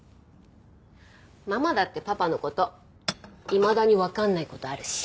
ママだってパパの事いまだにわかんない事あるし。